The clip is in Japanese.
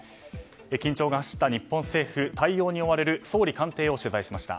緊張が走った日本政府対応に追われる総理官邸を取材しました。